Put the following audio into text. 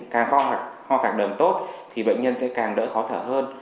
càng ho khạc đờm tốt thì bệnh nhân sẽ càng đỡ khó thở hơn